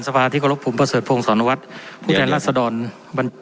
สภาธิกรกภูมิประเสริฐโพงสอนวัดพูดแทนลักษณ์สะดอนบัน